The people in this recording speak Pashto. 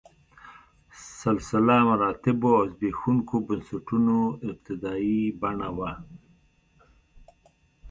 سلسله مراتبو او زبېښونکو بنسټونو ابتدايي بڼه وه.